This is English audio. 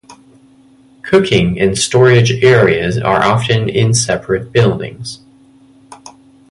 Cooking and storage areas are often in separate buildings.